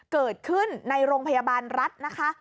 เกิดขึ้นในโรงพยาบาลรัฐนะคะ